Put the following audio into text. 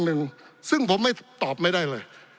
ปี๑เกณฑ์ทหารแสน๒